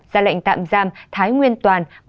ra lệnh tạm giam thái nguyên toàn